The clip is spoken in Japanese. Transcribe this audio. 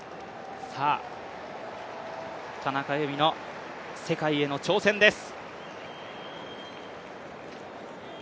田中佑美の世界への挑戦です。